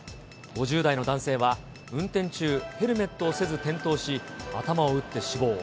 ５０代の男性は運転中、ヘルメットをせず転倒し、頭を打って死亡。